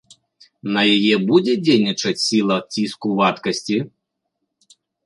На яе будзе дзейнічаць сіла ціску вадкасці?